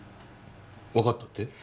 わかったって？